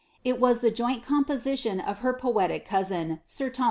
It was the joint composition of her poetic cousin, sir Thomas 'Camden.